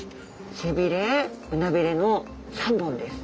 背びれ胸びれの３本です。